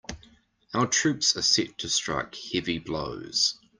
Our troops are set to strike heavy blows.